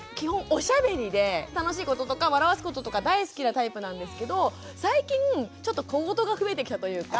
おしゃべりで楽しいこととか笑わすこととか大好きなタイプなんですけど最近ちょっと小言が増えてきたというか。